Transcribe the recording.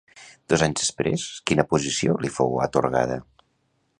Dos anys després, quina posició li fou atorgada?